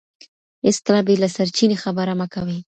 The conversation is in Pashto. هیڅکله بې له سرچینې خبره مه کوئ.